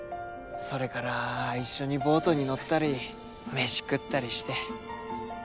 それから一緒にボートに乗ったり飯食ったりして。